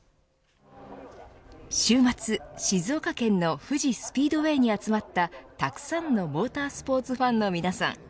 週末、静岡県の富士スピードウェイに集まったたくさんのモータースポーツファンの皆さん。